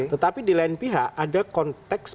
tetapi di lain pihak ada konteks